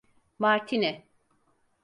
Martini?